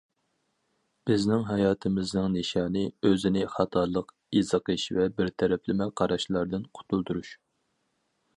بىزنىڭ ھاياتىمىزنىڭ نىشانى، ئۆزىنى خاتالىق، ئېزىقىش ۋە بىر تەرەپلىمە قاراشلاردىن قۇتۇلدۇرۇش.